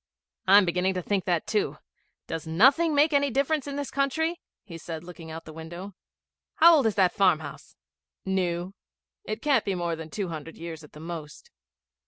'I'm beginning to think that too. Does nothing make any difference in this country?' he said, looking out of the window. 'How old is that farmhouse?' 'New. It can't be more than two hundred years at the most.'